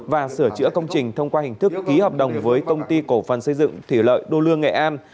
và sửa chữa công trình thông qua hình thức ký hợp đồng với công ty cổ phần xây dựng thủy lợi đô lương nghệ an